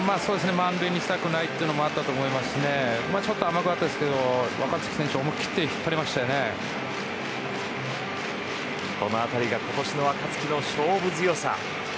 満塁にしたくないというのもあったと思いますしちょっと甘かったですけど若月選手、思い切ってこの辺りが今年の若月の勝負強さ。